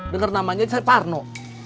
dengar namanya saya parno